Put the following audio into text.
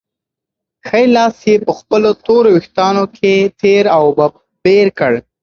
ښی لاس یې په خپلو تورو وېښتانو کې تېر او بېر کړ.